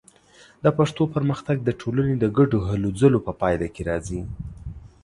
د پښتو پرمختګ د ټولنې د ګډو هلو ځلو په پایله کې راځي.